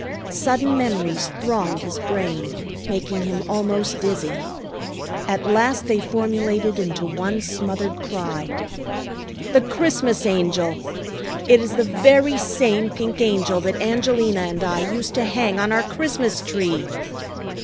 Sudden memories thronged his brain, making him almost dizzy. At last they formulated into one smothered cry. "The Christmas Angel! It is the very same pink Angel that Angelina and I used to hang on our Christmas tree!"